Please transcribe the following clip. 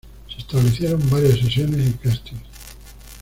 Se establecieron varias sesiones y castings.